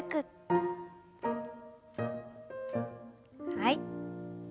はい。